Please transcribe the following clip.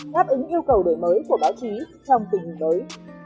đáp ứng yêu cầu đổi mới của báo chí trong tình hình mới